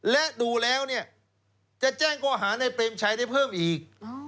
และดูแล้วจะแจ้งก่อหาในเปรียบใช้ได้เพิ่มอีก